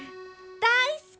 大好き！